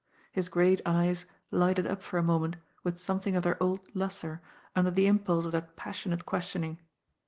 His great eyes lighted up for a moment with something of their old lustre under the impulse of that passionate questioning.